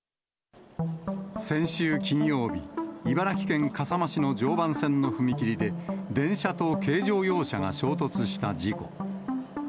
先週金曜日、茨城県笠間市の常磐線の踏切で、電車と軽乗用車が衝突した事故。